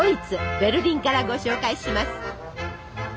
ベルリンからご紹介します。